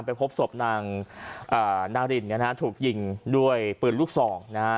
ไปพบศพนางนารินเนี่ยนะฮะถูกยิงด้วยปืนลูกซองนะฮะ